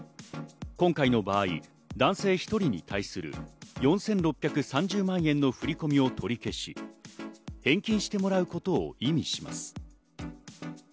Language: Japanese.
今回の場合、男性１人に対する４６３０万円の振り込みを取り消し、返金してもらうことを意味します。